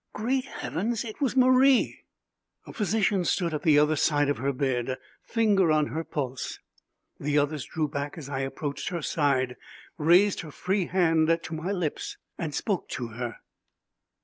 Great heavens, it was Marie! A physician stood at the other side of her bed, finger on her pulse. The others drew back as I approached her side, raised her free hand to my lips and spoke to her.